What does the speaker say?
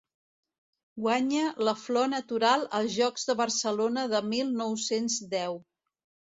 Guanya la Flor Natural als Jocs de Barcelona de mil nou-cents deu.